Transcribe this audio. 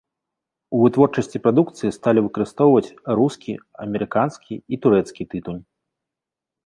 У вытворчасці прадукцыі сталі выкарыстоўваць рускі, амерыканскі і турэцкі тытунь.